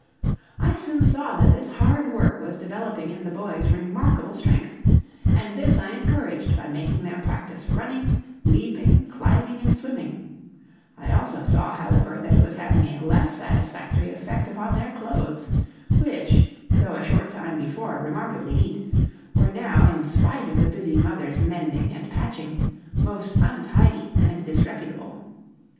I soon saw that this hard work was developing in the boys remarkable strength, and this I encouraged by making them practise running, leaping, climbing, and swimming; I also saw, however, that it was having a less satisfactory effect upon their clothes, which, though a short time before remarkably neat, were now, in spite of the busy mother's mending and patching, most untidy and disreputable.